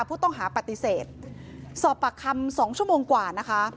ผู้ต้องหาปฏิเสธสอบปากคำ๒ชั่วโมงกว่านะคะ